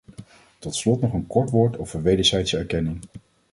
Tot slot nog een kort woord over wederzijdse erkenning.